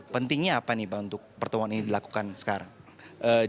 pentingnya apa nih pak untuk pertemuan ini dilakukan sekarang